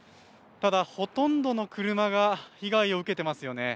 ただ、ほとんどの車が被害を受けてますよね。